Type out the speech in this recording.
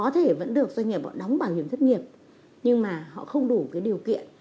thì vẫn được doanh nghiệp họ đóng bảo hiểm thất nghiệp nhưng mà họ không đủ cái điều kiện